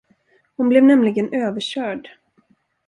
Hon blev nämligen överkörd.